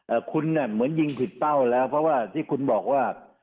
คุณน่ะเหมือนยิงผิดเป้าแล้วเพราะว่าที่คุณบอกว่า